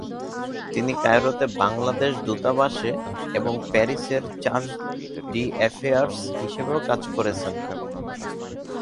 তিনি কায়রোতে বাংলাদেশ দূতাবাসে এবং প্যারিসের চার্জ-ডি-অ্যাফেয়ার্স হিসাবেও কাজ করেছেন।